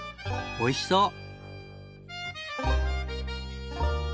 おいしそう！